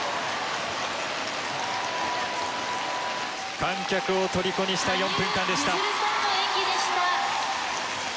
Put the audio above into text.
観客をとりこにした４分間でした。